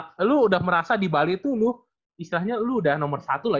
ya tapi lo udah merasa di bali tuh istilahnya lo udah nomor satu lah